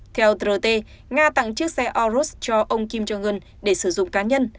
theo rt nga tặng chiếc xe orus cho ông kim jong un để sử dụng cá nhân